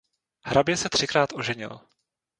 Hrabě se třikrát oženil.